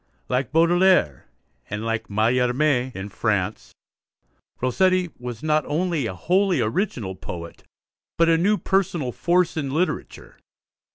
Like Baudelaire and like Mallarmé in France, Rossetti was not only a wholly original poet, but a new personal force in literature.